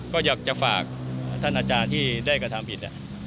ก็อยากจะฝากท่านอาจารย์ที่ได้กระทำผิด